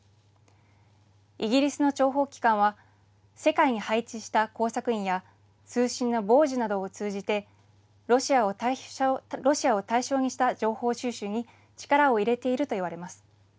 イギリスの諜報機関は、世界に配置した工作員や、通信の傍受などを通じて、ロシアを対象にした情報収集に力を入れているといわれます。